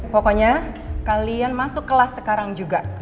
pokoknya kalian masuk kelas sekarang juga